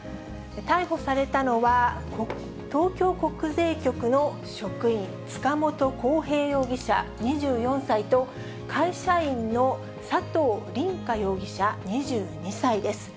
逮捕されたのは、東京国税局の職員、塚本晃平容疑者２４歳と、会社員の佐藤凜果容疑者２２歳です。